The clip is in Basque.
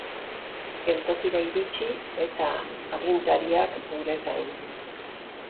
Geltokira iritsi eta agintariak gure zain.